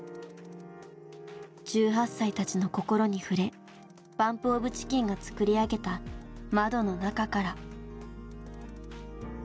１８歳たちの心に触れＢＵＭＰＯＦＣＨＩＣＫＥＮが作り上げた「窓の中から」。